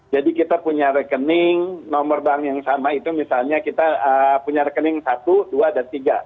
jadi kita punya rekening nomor bank yang sama itu misalnya kita punya rekening satu dua dan tiga